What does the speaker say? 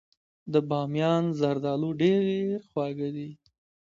د بامیان زردالو ډیر خواږه دي.